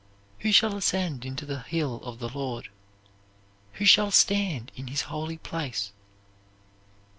"Who shall ascend into the hill of the Lord, who shall stand in His holy place?